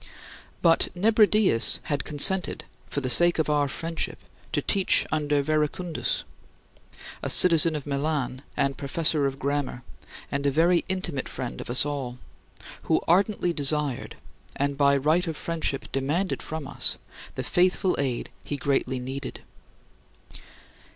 But Nebridius had consented, for the sake of our friendship, to teach under Verecundus a citizen of Milan and professor of grammar, and a very intimate friend of us all who ardently desired, and by right of friendship demanded from us, the faithful aid he greatly needed.